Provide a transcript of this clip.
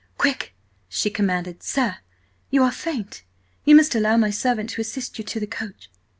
"Quick!" she commanded. "Sir, you are faint! You must allow my servant to assist you to the coach."